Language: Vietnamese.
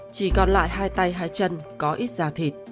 chỉ còn lại hai tay hai chân có ít da thịt